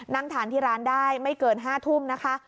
นั่งทานที่ร้านได้ไม่เกิน๕ทุ่มนะคะ